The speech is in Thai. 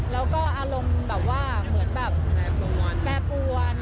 แล้วก็อารมณ์แบบว่าเหมือนแบบแปรปวน